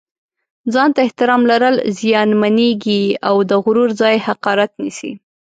ځان ته احترام لرل زیانمېږي او د غرور ځای حقارت نیسي.